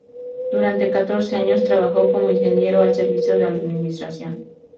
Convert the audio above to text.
Durante catorce años trabajó como Ingeniero al servicio de la Administración.